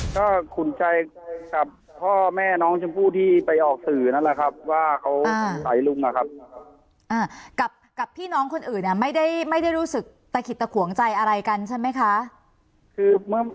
ก็ขุนใจกับพ่อแม่น้องชมพู่ที่ไปออกสื่อนั่นแหละครับว่าเขาสงสัยลุงนะครับกับพี่น้องคนอื่นเนี่ยไม่ได้รู้สึกตะขิดตะขวงใจอะไรกันใช่ไหมคะ